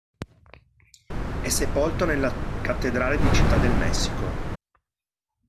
È sepolto nella cattedrale di Città del Messico.